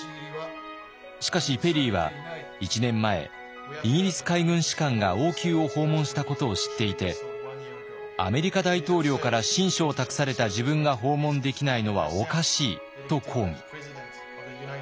しかしペリーは１年前イギリス海軍士官が王宮を訪問したことを知っていてアメリカ大統領から親書を託された自分が訪問できないのはおかしいと抗議。